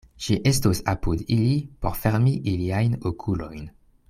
Ŝi estos apud ili por fermi iliajn okulojn.